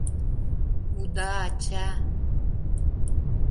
Уда ача!